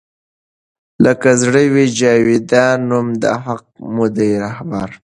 لــــــــــکه زړه وي جـــاویــــدان نــــوم د حــــق مو دی رهـــــــــبر